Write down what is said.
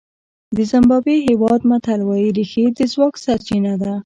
د زیمبابوې هېواد متل وایي رېښې د ځواک سرچینه ده.